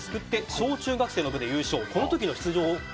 小中学生の部で優勝。